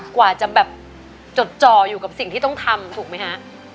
กว่าจะแบบจดจ่ออยู่กับสิ่งที่ต้องทำถูกไหมฮะ